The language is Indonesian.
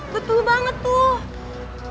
betul banget tuh